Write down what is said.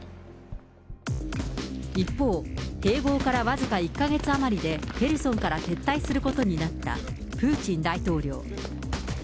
一方、併合から僅か１か月余りでヘルソンから撤退することになったプーチン大統領。